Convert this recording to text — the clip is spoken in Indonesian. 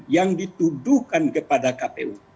yang dituduhkan kepada kpu